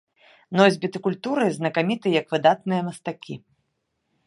Носьбіты культуры знакаміты як выдатныя мастакі.